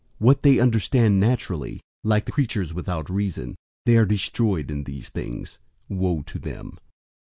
What they understand naturally, like the creatures without reason, they are destroyed in these things. 001:011 Woe to them!